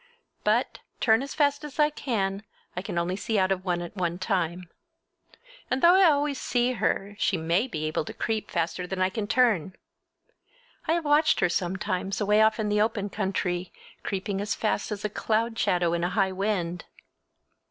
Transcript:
But, turn as fast as I can, I can only see out of one at one time. And though I always see her she may be able to creep faster than I can turn! I have watched her sometimes away off in the open country, creeping as fast as a cloud shadow in a high wind.